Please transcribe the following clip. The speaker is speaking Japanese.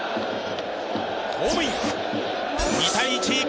ホームイン、２−１！